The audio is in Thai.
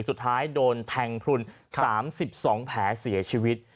สุดท้ายโดนแทงพลุน๓๒แผลเสียชีวิต